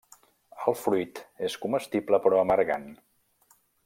El fruit és comestible però amargant.